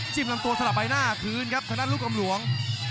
จิ้มลำตัวสลับไปหน้าพื้นครับขนาดลูกกำลวง